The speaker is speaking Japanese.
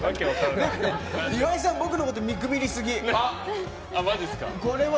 でもね、岩井さん僕のこと見くびりすぎ！